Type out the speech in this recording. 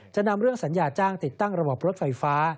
จะนำเรื่องสัญญาจ้างติดตั้งระบบรถไฟฟ้า